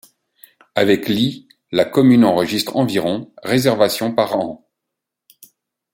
Avec lits, la commune enregistre environ réservations par an.